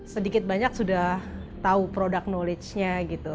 sedikit banyak sudah tahu produk knowledge nya gitu